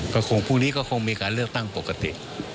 ก็คงพรุ่งนี้ก็คงมีการเลือกตั้งปกติ